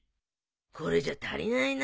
これじゃ足りないな。